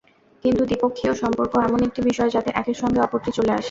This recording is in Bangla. কিন্তু দ্বিপক্ষীয় সম্পর্ক এমন একটি বিষয় যাতে একের সঙ্গে অপরটি চলে আসে।